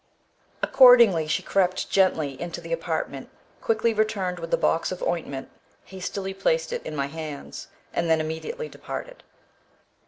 * Accordingly she crept gently into the apartment, quickly returned with the box of ointment, hastily placed it in my hands, and then immediately departed.